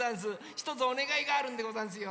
ひとつおねがいがあるんでござんすよ。